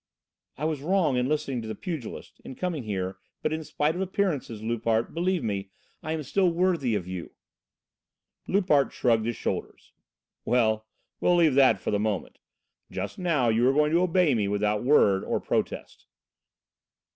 "I was wrong in listening to the pugilist, in coming here, but in spite of appearances Loupart, believe me, I am still worthy of you." Loupart shrugged his shoulders. "Well, we'll leave that for the moment. Just now you are going to obey me without a word or protest."